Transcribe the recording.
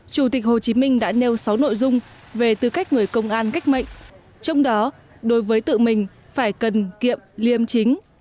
chủ tịch hồ chí minh đã nêu sáu nội dung về tư cách người công an cách mệnh trong đó đối với tự mình phải cần kiệm liêm chính